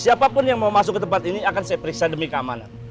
siapapun yang mau masuk ke tempat ini akan saya periksa demi keamanan